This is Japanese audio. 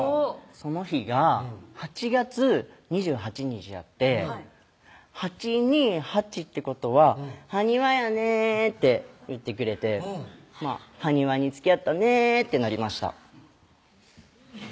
その日が８月２８日やって「８２８ってことはハニワやね」って言ってくれて「ハニワにつきあったね」ってなりました